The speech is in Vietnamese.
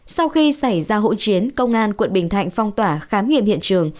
sau khi xảy ra hỗn chiến công an quận bình thạnh phong tỏa khám nghiệm hiện trường